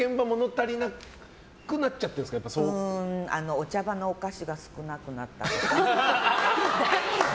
お茶場のお菓子が少なくなった。